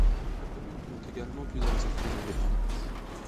La commune compte également plusieurs artisans indépendants.